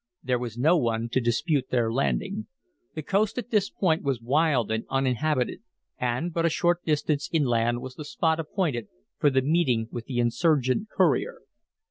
There was no one to dispute their landing. The coast at this point was wild and uninhabited, and but a short distance inland was the spot appointed for the meeting with the insurgent courier.